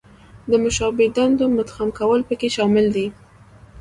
د مشابه دندو مدغم کول پکې شامل دي.